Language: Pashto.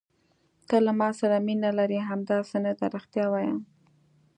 ته له ما سره مینه لرې، همداسې نه ده؟ رښتیا وایه.